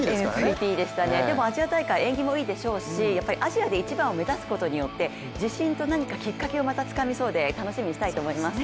でもアジア大会縁起もいいでしょうしアジアで一番を目指すことによって自信と何かきっかけをまたつかみそうで楽しみにしたいと思います。